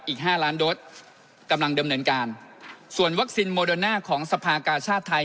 อีกห้าล้านโดสกำลังดำเนินการส่วนวัคซีนโมเดอร์น่าของสภากาชาติไทย